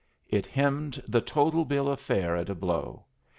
It hymned the total bill of fare at a blow.